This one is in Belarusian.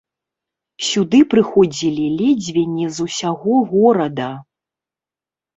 Сюды прыходзілі ледзьве не з усяго горада.